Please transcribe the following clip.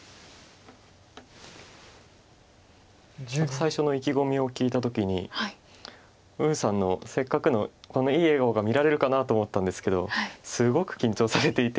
最初の意気込みを聞いた時に呉さんのせっかくのあのいい笑顔が見られるかなと思ったんですけどすごく緊張されていて。